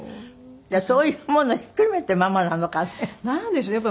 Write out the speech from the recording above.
じゃあそういうものをひっくるめて「ママ」なのかね？